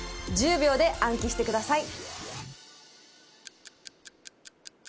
１０秒で暗記してください